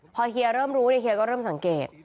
พอเฮียเริ่มรู้เฮียก็เริ่มสังเกต